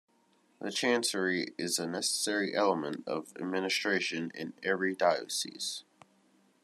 The chancery is a necessary element of administration in every diocese.